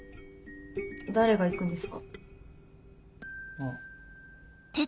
誰が行くんですか？